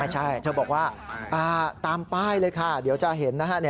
ใช่เธอบอกว่าตามป้ายเลยค่ะเดี๋ยวจะเห็นนะฮะ